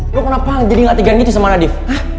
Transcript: lo kenapa jadi ngategan gitu sama nadif